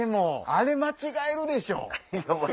あれ間違えるでしょ！